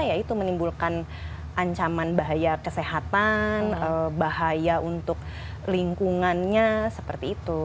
yaitu menimbulkan ancaman bahaya kesehatan bahaya untuk lingkungannya seperti itu